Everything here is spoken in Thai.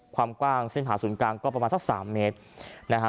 ความกว้างเส้นผ่าศูนย์กลางก็ประมาณสัก๓เมตรนะฮะ